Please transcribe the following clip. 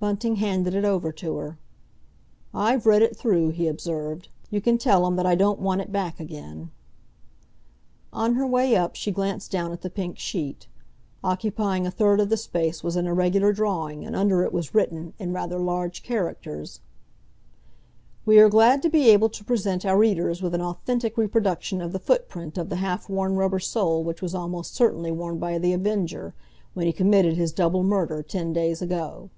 Bunting handed it over to her. "I've read it through," he observed. "You can tell him that I don't want it back again." On her way up she glanced down at the pink sheet. Occupying a third of the space was an irregular drawing, and under it was written, in rather large characters: "We are glad to be able to present our readers with an authentic reproduction of the footprint of the half worn rubber sole which was almost certainly worn by The Avenger when he committed his double murder ten days ago."